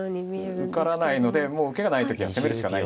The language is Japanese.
受からないのでもう受けがない時は攻めるしかない。